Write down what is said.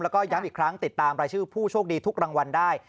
แล้วก็ย้ำอีกครั้งติดตามรายชื่อผู้โชคดีทุกรางวัลได้